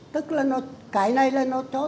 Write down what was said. tức là cái này là nó cho